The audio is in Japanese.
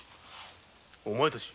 お前たち！？